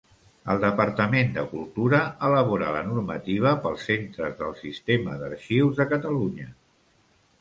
El Departament de Cultura elabora la normativa pels centres del Sistema d'Arxius de Catalunya.